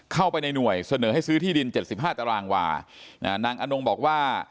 เข้าไปในหน่วยเสนอให้ซื้อที่ดินเจ็ดสิบห้าตารางวานางอนงบอกว่า